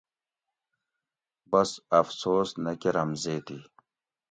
بس افسوس نہ کۤرم زیتی